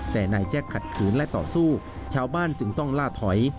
แต่นายแจ็คขัดขืนและต่อสู้ชาวบ้านจึงต้องล่าถอย